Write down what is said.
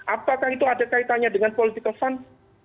apakah itu ada kaitannya dengan political fund